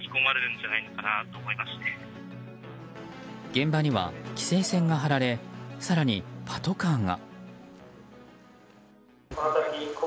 現場には規制線が張られ更にパトカーが。